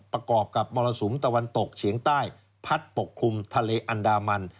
ประกอบกับมรสุมตะวันตกเฉียงใต้พัดปกคลุมทะเลอันดามัน